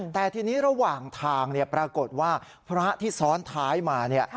แต่ทีนี้ระหว่างทางปรากฏว่าพระที่ซ้อนท้ายมา